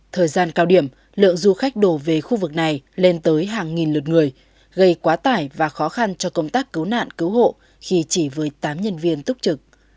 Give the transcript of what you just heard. thời gian cao điểm lượng du khách đổ về khu vực này lên tới hàng nghìn lượt người gây quá tải và khó khăn cho công tác cứu nạn cứu hộ khi chỉ với tám nhân viên túc trực